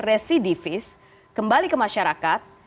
residivis kembali ke masyarakat